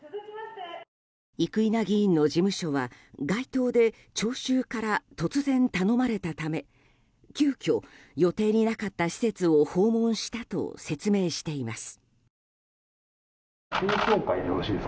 生稲議員の事務所は街頭で聴衆から突然頼まれたため急きょ、予定になかった施設を訪問したと説明しています。